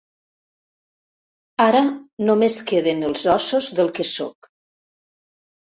Ara només queden els ossos del que sóc.